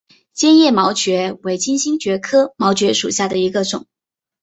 坚叶毛蕨为金星蕨科毛蕨属下的一个种。